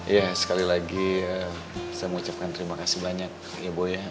ya sekali lagi saya mengucapkan terima kasih banyak ibu ya